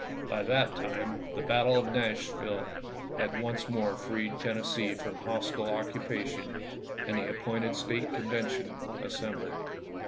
By that time the battle of Nashville had once more freed Tennessee from hostile occupation, and the appointed State Convention assembled.